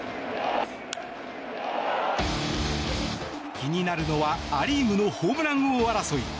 気になるのはア・リーグのホームラン王争い。